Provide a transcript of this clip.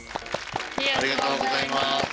ありがとうございます。